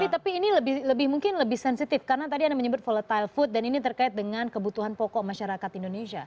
tapi ini lebih mungkin lebih sensitif karena tadi anda menyebut volatile food dan ini terkait dengan kebutuhan pokok masyarakat indonesia